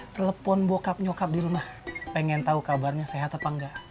telepon bokap nyokap di rumah pengen tahu kabarnya sehat apa enggak